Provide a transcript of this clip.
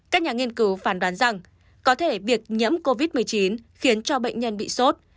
các nhà nghiên cứu phản đoán rằng có thể việc nhiễm covid một mươi chín khiến cho bệnh nhân bị sốt